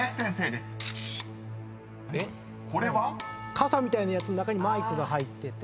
傘みたいなやつの中にマイクが入ってて。